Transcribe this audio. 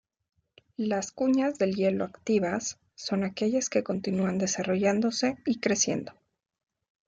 Las cuñas de hielo activas son aquellas que continúan desarrollándose y creciendo.